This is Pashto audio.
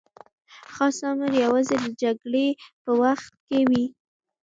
خاص امر یوازې د جګړې په وخت کي وي.